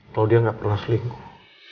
kalau dia nggak pernah selingkuh